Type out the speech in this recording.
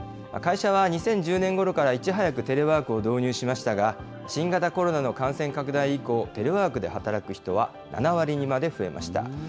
会社は２０１０年ごろからいち早くテレワークを導入しましたが、新型コロナの感染拡大以降、テレワークで働く人は７割にまで増えました。